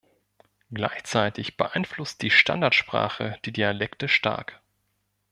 Gleichzeitig beeinflusst die Standardsprache die Dialekte stark.